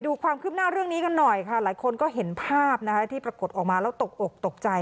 ความคืบหน้าเรื่องนี้กันหน่อยค่ะหลายคนก็เห็นภาพนะคะที่ปรากฏออกมาแล้วตกอกตกใจ